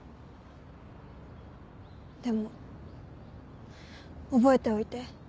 でも覚えておいて